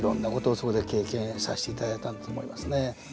そこで経験させていただいたんだと思いますね。